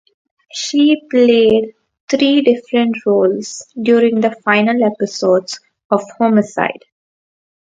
She played three different roles during the final episodes of "Homicide".